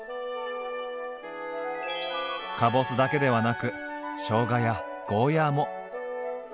かぼすだけではなくしょうがやゴーヤーも。